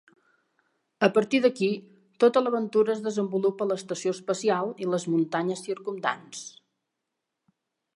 A partir d'aquí tota l'aventura es desenvolupa a l'estació espacial i les muntanyes circumdants.